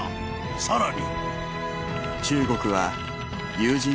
さらに］